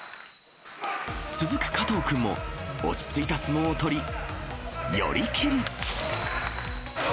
続く加藤君も、落ち着いた相撲を取り、寄り切り。